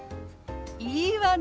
いいわね！